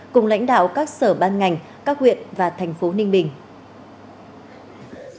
cùng lãnh đạo các sở ban ngành các huyện và thành phố ninh bình